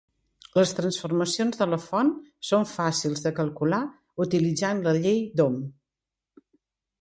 Les transformacions de la font són fàcils de calcular utilitzant la llei d'Ohm.